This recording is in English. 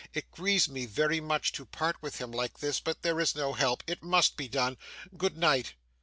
It grieves me very much to part with him like this, but there is no help. It must be done. Good night!